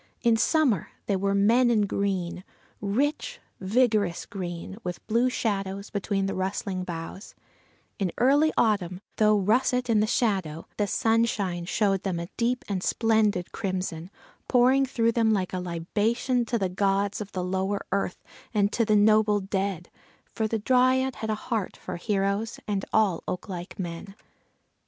In summer they were "men in green," rich, vigorous green, with blue shadows between the rustling boughs; in early autumn, though russet in the shadow, the sunshine showed them a deep and splendid crimson, pouring through them like a libation to the gods of the lower earth, and to the noble dead, for the Dryad had a heart for heroes and all oak like men.